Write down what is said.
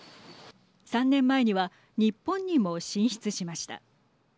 ３年前には日本にも進出しました。